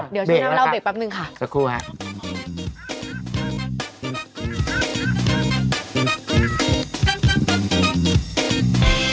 เดี๋ยวช่วงหน้ามาเล่าเบสแป๊บหนึ่งค่ะสักครู่ค่ะเปรียบแล้วกันค่ะ